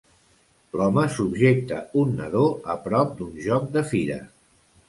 L'home subjecta un nadó a prop d'un joc de fira.